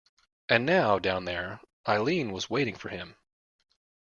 And now, down there, Eileen was waiting for him.